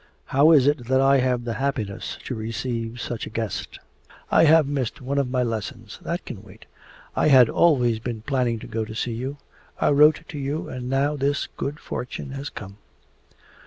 'How is it that I have the happiness to receive such a guest? I have missed one of my lessons. That can wait... I had always been planning to go to see you. I wrote to you, and now this good fortune has come.